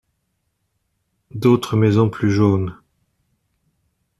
D’autres maisons plus jaunes.